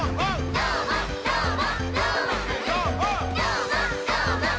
どーもどーも。